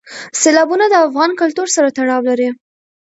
سیلابونه د افغان کلتور سره تړاو لري.